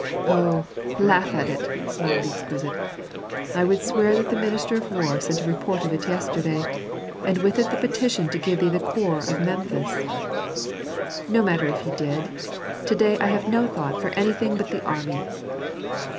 "Oh, laugh at it!" smiled the exquisite. "I would swear that the minister of war sent a report of it yesterday, and with it the petition to give thee the corps of Memphis." "No matter if he did. To day I have no thought for anything but the army."